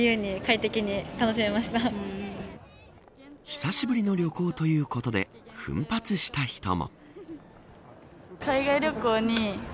久しぶりの旅行ということで奮発した人も。